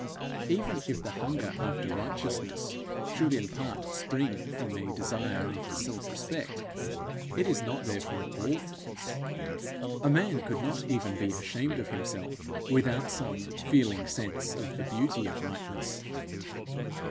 Even if the hunger after righteousness should in part spring from a desire after self respect, it is not therefore all false. A man could not even be ashamed of himself, without some 'feeling sense' of the beauty of rightness.